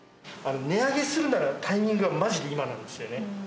値上げするなら、タイミングはまじで今なんですよね。